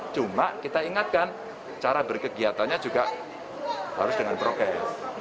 cuma kita ingatkan cara berkegiatannya juga harus dengan prokes